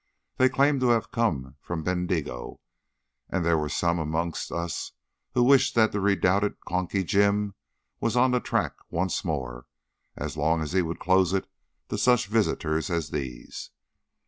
They claimed to have come from Bendigo, and there were some amongst us who wished that the redoubted Conky Jim was on the track once more, as long as he would close it to such visitors as these.